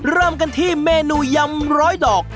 เริ่มกันที่เมนูยำร้อยดอก